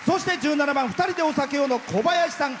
１７番「二人でお酒を」のこばやしさん。